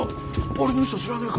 俺の衣装知らねえか？